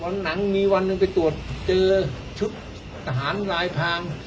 วันนั้นมีวันนึงไปตรวจเจอตฐานรายพาง